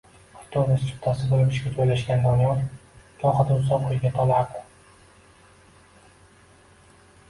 Avtobus chiptachisi bo`lib ishga joylashgan Doniyor gohida uzoq o`yga tolardi